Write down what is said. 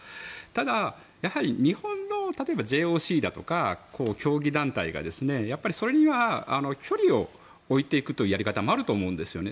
ただ、やはり日本の例えばＪＯＣだとか競技団体がそれには距離を置いていくというやり方もあると思います。